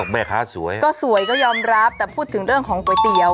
แม่ค้าสวยก็สวยก็ยอมรับแต่พูดถึงเรื่องของก๋วยเตี๋ยว